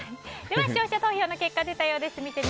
では視聴者投票の結果が出たようです。